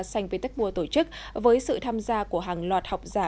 sanh viên tích mùa tổ chức với sự tham gia của hàng loạt học giả